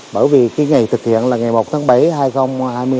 bởi vì cái ngày thực hiện là ngày một tháng bảy hai nghìn hai mươi bốn